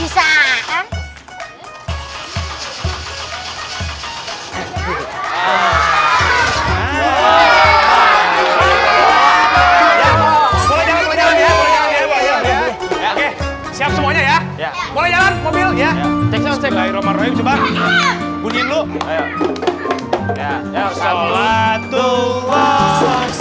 siap semuanya ya boleh jalan mobil